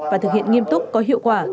và thực hiện nghiêm túc có hiệu quả